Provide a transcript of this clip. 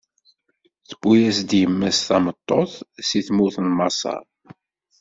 Tewwi-as-d yemma-s tameṭṭut si tmurt n Maṣer.